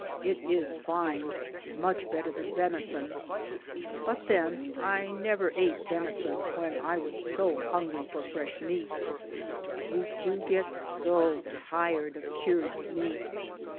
It is fine, much better than venison — but then I never ate venison when I was so hungry for fresh meat — we do get so tired of cured meat.